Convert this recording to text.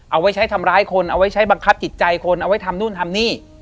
เอาไว้ใช้ทำร้ายคนเอาไว้ใช้บังคับจิตใจคนเอาไว้ทำนู่นทำนี่